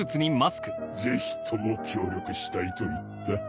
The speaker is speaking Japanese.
ぜひとも協力したいと言った。